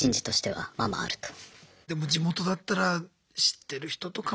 でも地元だったら知ってる人とかも。